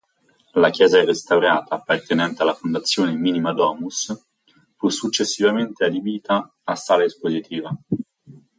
La chiesa restaurata, appartenente alla fondazione Minima Domus, fu successivamente adibita a sala espositiva.